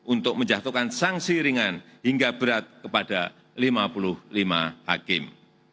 untuk menjatuhkan sanksi ringan hingga berat kepada lima puluh lima hakim